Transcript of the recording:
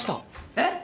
えっ？